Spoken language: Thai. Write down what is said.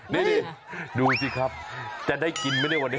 นี่ดูสิครับจะได้กินไหมเนี่ยวันนี้